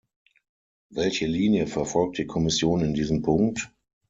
Welche Linie verfolgt die Kommission in diesem Punkt?